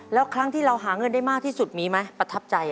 แล้วครั้งที่เราหาเงินได้มากที่สุดมีไหมประทับใจ